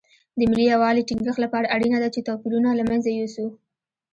د ملي یووالي ټینګښت لپاره اړینه ده چې توپیرونه له منځه یوسو.